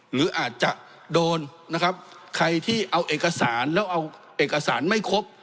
หรืออาจจะโดนนะครับใครที่เอาเอกสารแล้วเอาเอกสารไม่ครบ